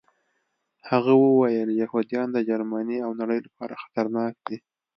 هغه وویل یهودان د جرمني او نړۍ لپاره خطرناک دي